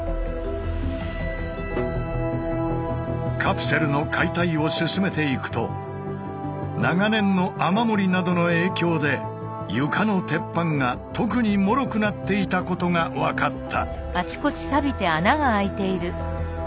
カプセルの解体を進めていくと長年の雨漏りなどの影響で床の鉄板が特にもろくなっていたことが分かった。